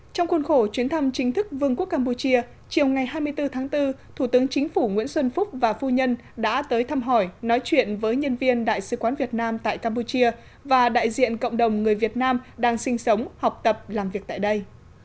trong khuôn khổ chuyến thăm chính thức vương quốc campuchia chiều ngày hai mươi bốn tháng bốn thủ tướng chính phủ nguyễn xuân phúc và phu nhân đã tới thăm hỏi nói chuyện với nhân viên đại sứ quán việt nam tại campuchia và đại diện cộng đồng người việt nam đang sinh sống học tập làm việc tại đây